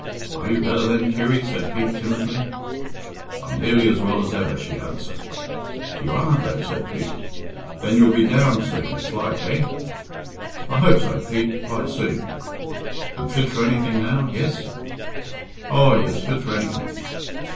"Are you better, then, Kirry?" said Pete timidly. "I'm nearly as well as ever," she answered. "You are, though?" said Pete. "Then you'll be down soon, it's like, eh?" "I hope so, Pete quite soon." "And fit for anything, now yes?" "Oh, yes, fit for anything."